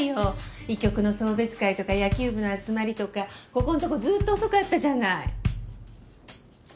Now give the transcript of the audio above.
医局の送別会とか野球部の集まりとかここんとこずっと遅かったじゃない。